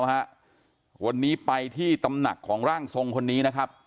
วันนี้ไปที่ตำหนักของร่างทรงคนนี้นะครับ